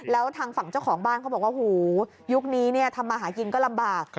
แล้วทางฝั่งเจ้าของบ้านเขาบอกว่าหูยุคนี้ทำมาหากินก็ลำบาก